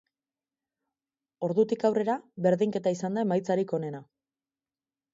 Ordutik aurrera berdinketa izan da emaitzarik onena.